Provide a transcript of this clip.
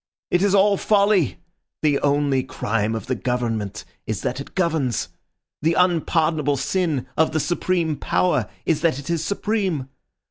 It is all folly! The only crime of the Government is that it governs. The unpardonable sin of the supreme power is that it is supreme.